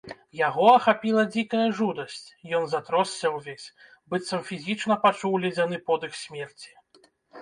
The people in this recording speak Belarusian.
Яго ахапіла дзікая жудасць, ён затросся ўвесь, быццам фізічна пачуў ледзяны подых смерці.